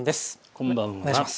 こんばんは。